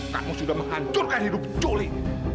kamu sudah menghancurkan hidup culi